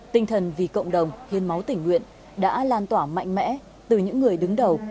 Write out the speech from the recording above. tinh thần vì cộng đồng hiến máu tỉnh nguyện đã lan tỏa mạnh mẽ từ những người đứng đầu